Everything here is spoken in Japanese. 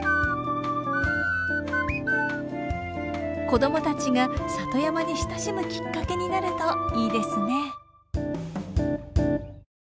子どもたちが里山に親しむきっかけになるといいですね。